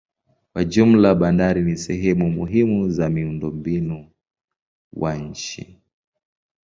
Kwa jumla bandari ni sehemu muhimu za miundombinu wa nchi.